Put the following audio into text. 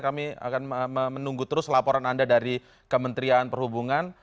kami akan menunggu terus laporan anda dari kementerian perhubungan